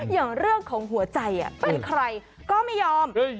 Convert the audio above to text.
อย่างเรื่องของหัวใจเป็นใครก็ไม่ยอม